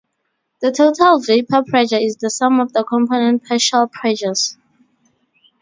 The total vapor pressure is the sum of the component partial pressures.